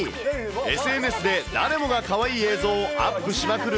ＳＮＳで、誰もがかわいい映像をアップしまくる